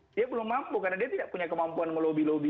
dia belum mampu karena dia tidak punya kemampuan melobi lobi